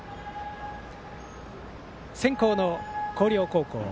先攻の広陵高校。